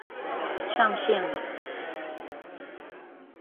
上線了！